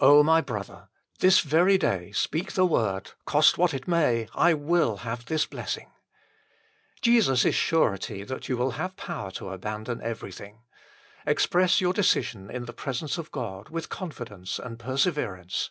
my brother, this very day speak the word :" Cost what it may, I will have this blessing." Jesus is surety that you will have power to abandon everything. Express your decision in the presence of God with confidence and perse verance.